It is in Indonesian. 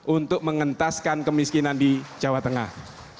untuk mengentaskan kemiskinan di jawa tengah